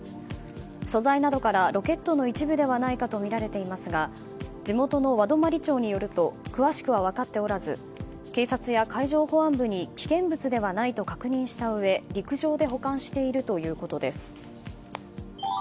素材などからロケットの一部ではないかとみられていますが地元の和泊町によると詳しくは分かっておらず警察や海上保安部に危険物ではないと確認したうえ、陸上で保管しているということです。